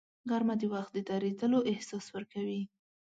غرمه د وخت د درېدلو احساس ورکوي